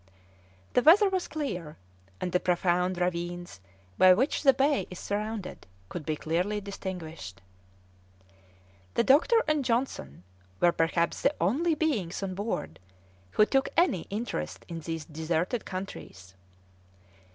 The weather was clear, and the profound ravines by which the bay is surrounded could be clearly distinguished. The doctor and Johnson were perhaps the only beings on board who took any interest in these deserted countries.